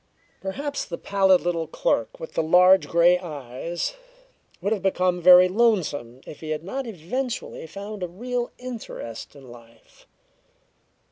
Perhaps the pallid little clerk with the large grey eyes would have become very lonesome if he had not eventually found a real interest in life.